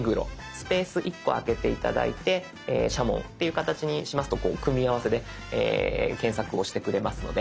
スペース１個空けて頂いて「社紋」っていう形にしますと組み合わせで検索をしてくれますので。